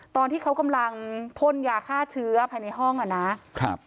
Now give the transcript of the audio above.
ตอนที่เขากำลังพ่นยาฆ่าเชื้อภายในห้องอ่ะนะครับ